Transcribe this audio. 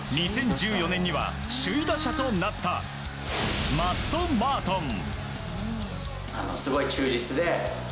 ２０１４年には首位打者となったマット・マートン。